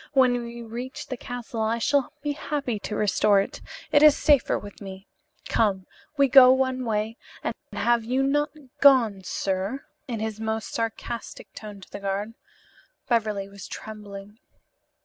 When we reach the castle I shall be happy to restore it. It is safer with me. Come, we go one way and have you not gone, sir?" in his most sarcastic tone to the guard. Beverly was trembling.